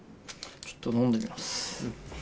ちょっと飲んでみます。